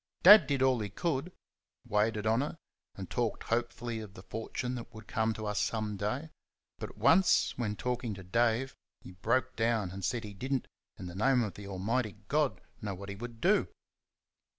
Dad did all he could waited on her, and talked hopefully of the fortune which would come to us some day; but once, when talking to Dave, he broke down, and said he did n't, in the name of the Almighty God, know what he would do!